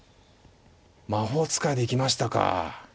魔法使いで行きましたか。